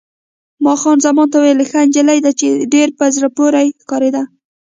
ما خان زمان ته وویل: ښه نجلۍ ده، ډېره په زړه پورې ښکارېده.